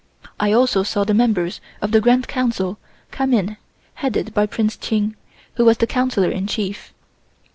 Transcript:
I also saw the members of the Grand Council come in headed by Prince Ching, who was the Councillor in Chief.